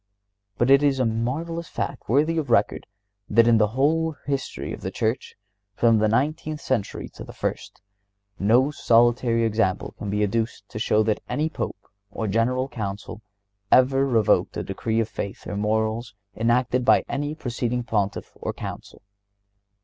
But it is a marvelous fact worthy of record that in the whole history of the Church, from the nineteenth century to the first, no solitary example can be adduced to show that any Pope or General Council ever revoked a decree of faith or morals enacted by any preceding Pontiff or Council.